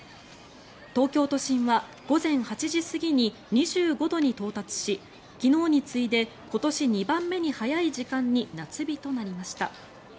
東京都心は午前８時過ぎに２５度に到達し昨日に次いで今年２番目に早い時間に夏日となりました。